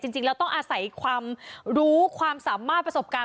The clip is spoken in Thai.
จริงแล้วต้องอาศัยความรู้ความสามารถประสบการณ์